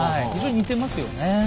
非常に似てますよね。